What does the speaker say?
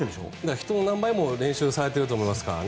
人の何倍も練習されていると思いますからね。